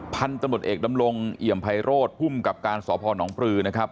พันธุ์ตำรวจเอกดำรงอิยมภัยโรธพุ่มกับการสอบพ่อหนองปลือนะครับ